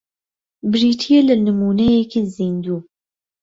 بریتییە لە نموونەیەکی زیندوو